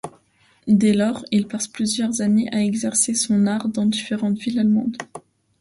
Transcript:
Dès lors, il passe plusieurs années à exercer son art dans différentes villes allemandes.